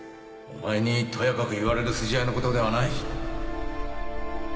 お前にとやかく言われる筋合いのことではない。